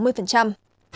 là trên sáu mươi